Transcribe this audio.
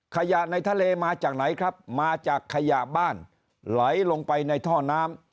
ขยะในทะเลมาจากไหนครับมาจากขยะบ้านไหลลงไปในท่อน้ำ